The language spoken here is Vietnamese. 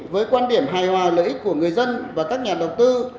với quan điểm hài hòa lợi ích của người dân và các nhà đầu tư